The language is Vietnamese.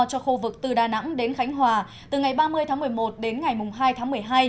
cho khu vực từ đà nẵng đến khánh hòa từ ngày ba mươi tháng một mươi một đến ngày hai tháng một mươi hai